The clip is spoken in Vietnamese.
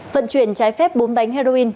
phận chuyển trái phép búm bánh heroin